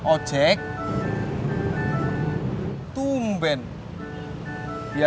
ineke nanti ya